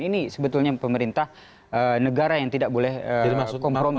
ini sebetulnya pemerintah negara yang tidak boleh kompromi